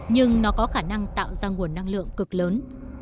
nhưng nó có khả năng tạo ra nguồn năng lượng cực lớn